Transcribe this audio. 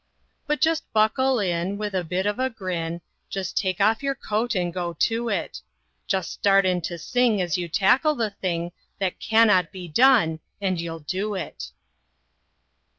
But just buckle in with a bit of a grin, Just take off your coat and go to it; Just start in to sing as you tackle the thing That "cannot be done," and you'll do it.